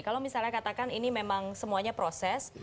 kalau misalnya katakan ini memang semuanya proses